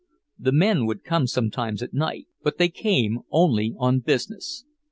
The men would come sometimes at night, but they came only on business.